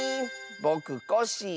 「ぼくコッシー」